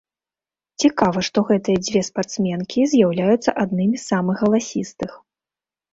Цікава, што гэтыя дзве спартсменкі з'яўляюцца аднымі з самых галасістых.